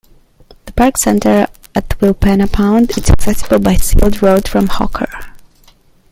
The park centre at Wilpena Pound is accessible by sealed road from Hawker.